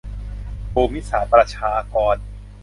ภูมิศาสตร์ประชากร